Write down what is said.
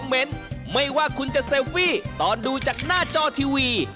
เมนต์ไม่ว่าคุณจะเซลฟี่ตอนดูจากหน้าจอทีวี